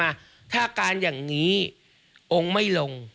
ถ้าการอย่างนี้องค์ไม่ลง